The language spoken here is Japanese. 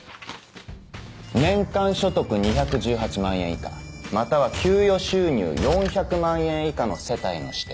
年間所得２１８万円以下または給与収入４００万円以下の世帯の子弟。